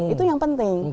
itu yang penting